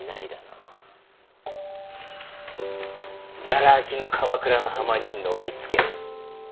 がら空きの鎌倉の浜に乗りつける。